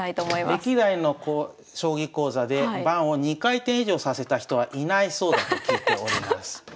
歴代の将棋講座で盤を２回転以上させた人はいないそうだと聞いております。